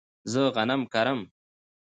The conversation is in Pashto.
زه غنم کرم